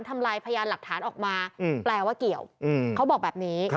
ทำลายพยานหลักฐานออกมาแปลว่าเกี่ยวเขาบอกแบบนี้